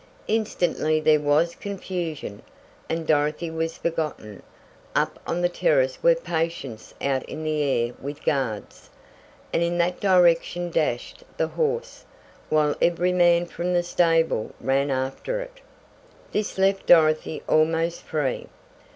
Instantly there was confusion, and Dorothy was forgotten. Up on the terrace were patients out in the air with guards, and in that direction dashed the horse, while every man from the stable ran after it. This left Dorothy almost free.